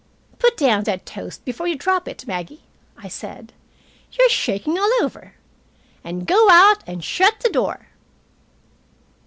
"Put down that toast before you drop it, Maggie," I said. "You're shaking all over. And go out and shut the door."